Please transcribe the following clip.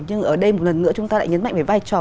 nhưng ở đây một lần nữa chúng ta lại nhấn mạnh về vai trò